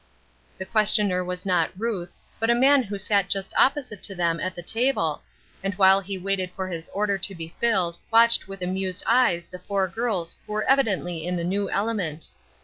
The questioner was not Ruth, but a man who sat just opposite to them at the table, and while he waited for his order to be filled watched with amused eyes the four gills who were evidently in a new element.